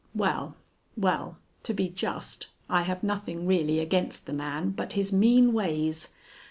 "Well, well, to be just, I have nothing really against the man but his mean ways.